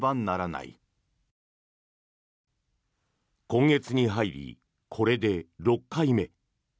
今月に入りこれで６回目。